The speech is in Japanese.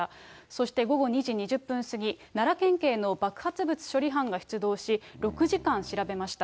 そして午後２時２０分過ぎ、奈良県警の爆発物処理班が出動し、６時間調べました。